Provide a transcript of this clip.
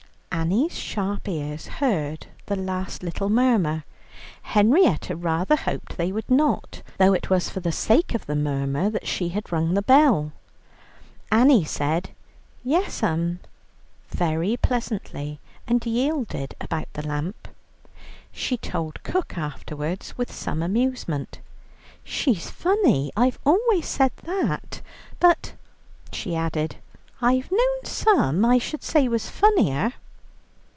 Annie's sharp ears heard the last little murmur. Henrietta rather hoped they would not, though it was for the sake of the murmur that she had rung the bell. Annie said "Yes 'm," very pleasantly, and yielded about the lamp. She told cook afterwards, with some amusement, "She's funny, I've always said that, but," she added, "I've known some I should say was funnier."